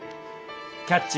「キャッチ！